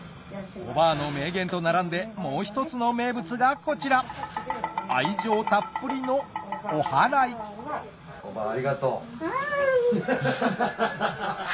おばあの名言と並んでもう一つの名物がこちら愛情たっぷりのおはらいおばあありがとう。